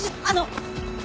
あの。